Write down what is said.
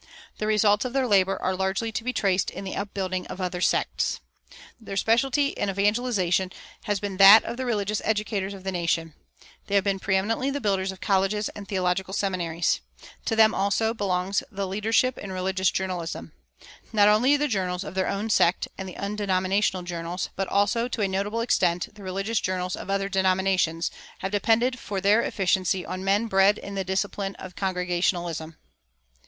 The results of their labor are largely to be traced in the upbuilding of other sects. Their specialty in evangelization has been that of the religious educators of the nation. They have been preëminently the builders of colleges and theological seminaries. To them, also, belongs the leadership in religious journalism. Not only the journals of their own sect and the undenominational journals, but also to a notable extent the religious journals of other denominations, have depended for their efficiency on men bred in the discipline of Congregationalism.